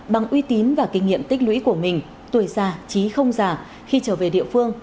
bằng uy tín và kinh nghiệm tích lũy của mình tuổi già chí không già khi trở về địa phương